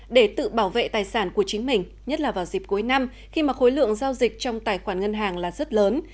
để tự bảo vệ tài sản của chính mình nhất là vào dịp cuối năm khi mà khối lượng giao dịch trong tài khoản ngân hàng là rất lớn